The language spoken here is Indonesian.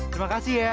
terima kasih ya